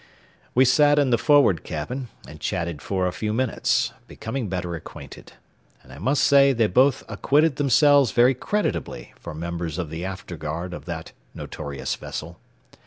We sat in the forward cabin and chatted for a few minutes, becoming better acquainted, and I must say they both acquitted themselves very creditably for members of the after guard of that notorious vessel.